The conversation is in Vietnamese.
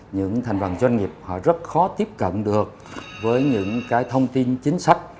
những thành phần doanh nghiệp họ rất khó tiếp cận được với những cái thông tin chính sách